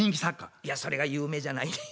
いやそれが有名じゃないねん。